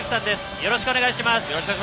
よろしくお願いします。